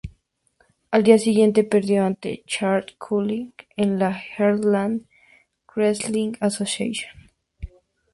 Al día siguiente, perdió ante Chad Collyer en la Heartland Wrestling Association.